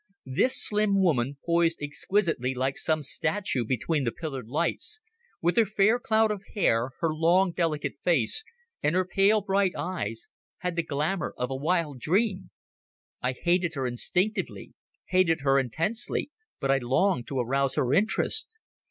This slim woman, poised exquisitely like some statue between the pillared lights, with her fair cloud of hair, her long delicate face, and her pale bright eyes, had the glamour of a wild dream. I hated her instinctively, hated her intensely, but I longed to arouse her interest.